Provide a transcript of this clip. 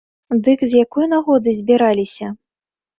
Дык з якой нагоды збіраліся?